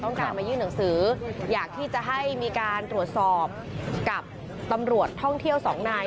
การมายื่นหนังสืออยากที่จะให้มีการตรวจสอบกับตำรวจท่องเที่ยวสองนาย